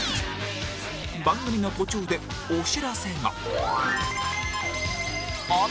番組の途中でお知らせが